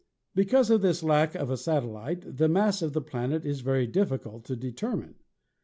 Because o^ this lack of a satellite the mass of the planet is very difficult to determine.